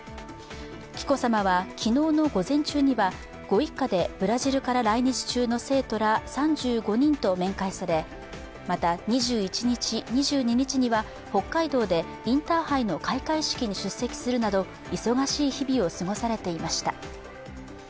紀子さまは昨日の午前中にはご一家でブラジルから来日中の生徒ら３５人と面会され、また２１日、２２日には北海道でインターハイの開会式に出席するなど忙しい日々を過ごされていました。